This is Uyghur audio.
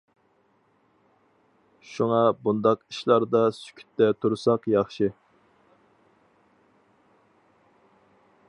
شۇڭا بۇنداق ئىشلاردا سۈكۈتتە تۇرساق ياخشى.